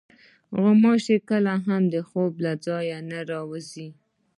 غوماشې کله هم د خوب له ځایه نه وځي.